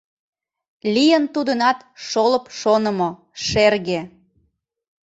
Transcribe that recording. Лийын тудынат шолып шонымо, шерге.